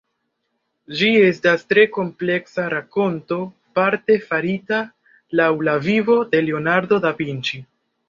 Ĝi estas tre kompleksa rakonto parte farita laŭ la vivo de Leonardo da Vinci.